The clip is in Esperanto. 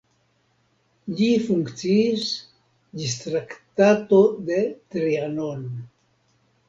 Ĝi funkciis ĝis Traktato de Trianon.